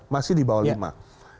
masih di bawah lima